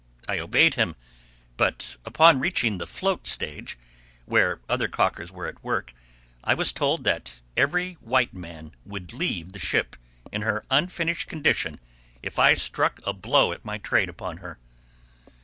I obeyed him, but upon reaching the float stage, where others calkers were at work, I was told that every white man would leave the ship, in her unfinished condition, if I struck a blow at my trade upon her.